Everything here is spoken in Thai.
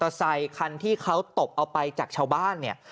ไซคันที่เขาตบเอาไปจากชาวบ้านเนี่ย